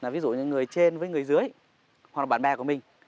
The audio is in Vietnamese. ví dụ như người trên với người dưới hoặc là bạn bè của mình